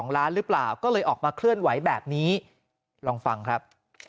ล้านหรือเปล่าก็เลยออกมาเคลื่อนไหวแบบนี้ลองฟังครับ